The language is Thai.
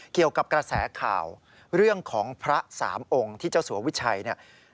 เกี่ยวกับกระแสข่าวเรื่องของพระสามองค์ที่เจ้าสัววิชัยเนี่ย